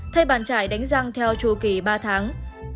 thay bàn chải đánh răng theo chô kỳ ba tháng